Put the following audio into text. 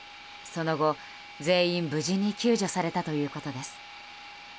その後、全員、無事に救助されたということです。